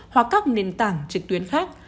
hoặc các nền tảng trực tuyến khác